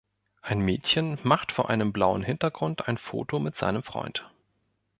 Ein Mädchen macht vor einem blauen Hintergrund ein Foto mit seinem Freund.